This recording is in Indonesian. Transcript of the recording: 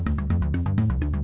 kita alami kami sendiri tak